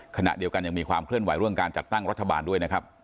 ขณะเดียวกันยังมีความเคลื่อนไหวเรื่องการจัดตั้งรัฐบาลด้วยนะครับ